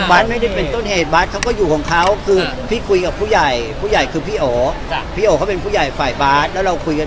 อายุเก้าสุดเอาบาร์ดมาเล่นแทน